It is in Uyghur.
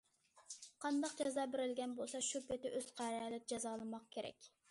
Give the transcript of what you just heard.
قانداق جازا بېرىلگەن بولسا شۇ پېتى ئۆز قەرەلىدە جازالىماق كېرەك.